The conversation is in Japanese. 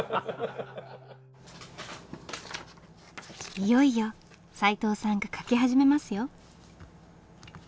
いよいよさいとうさんが描き始めますよ。